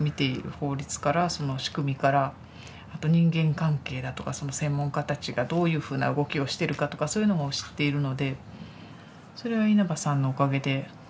法律からその仕組みからあと人間関係だとかその専門家たちがどういうふうな動きをしてるかとかそういうのも知っているのでそれは稲葉さんのおかげで。